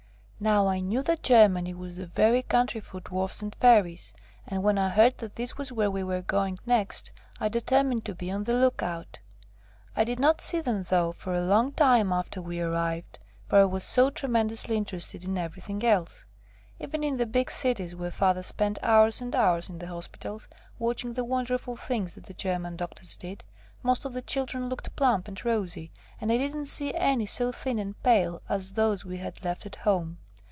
Now I knew that Germany was the very country for Dwarfs and Fairies, and when I heard that this was where we were going next I determined to be on the look out. I did not see them, though, for a long time after we arrived, for I was so tremendously interested in everything else. Even in the big cities where Father spent hours and hours in the hospitals, watching the wonderful things that the German doctors did, most of the children looked plump and rosy, and I didn't see any so thin and pale as those we had left at home.